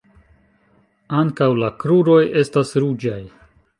Ankaŭ la kruroj estas ruĝaj.